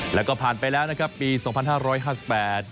แล้วก็ผ่านไปแล้วนะครับปีสองพันห้าร้อยห้าสิบแปด